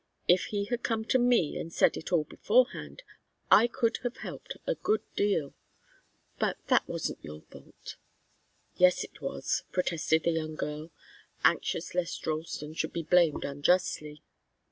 If he had come to me and said it all beforehand, I could have helped a good deal. But that wasn't your fault." "Yes, it was," protested the young girl, anxious lest Ralston should be blamed unjustly.